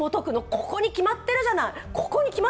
ここに決まってるじゃない！